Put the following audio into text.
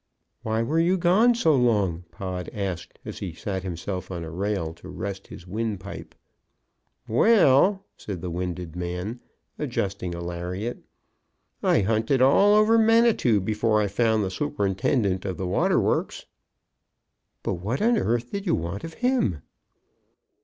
"Why were you gone so long?" Pod asked, as he sat himself on a rail to rest his windpipe. "Well," said the winded man, adjusting a lariat, "I hunted all over Manitou before I found the superintendent of the waterworks." "But what on earth did you want of him?"